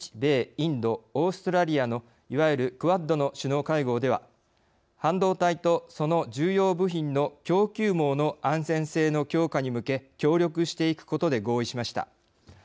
・インドオーストラリアのいわゆるクアッドの首脳会合では半導体とその重要部品の供給網の安全性の強化に向け協力していくことで合意しました。